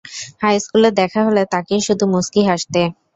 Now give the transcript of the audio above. হাইস্কুলে দেখা হলে তাকিয়ে শুধু মুচকি হাসতে!